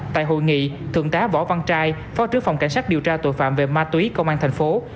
tại hội nghị thượng tá võ văn trai phó trưởng phòng cảnh sát điều tra tội phạm về ma túy công an thành phố